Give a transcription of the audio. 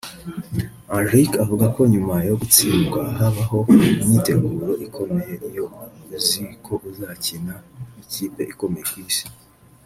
Enrique avuga ko nyuma yo gutsindwa habaho umyiteguro ikomeye iyo uzi ko uzakina n’ikipe ikomeye ku Isi